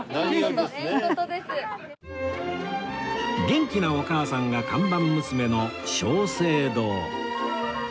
元気なお母さんが看板娘の松盛堂